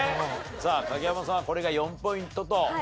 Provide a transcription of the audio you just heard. さあ影山さんはこれが４ポイントと？